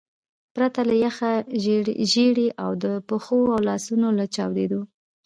پرته له یخه ژیړي او د پښو او لاسو له چاودو.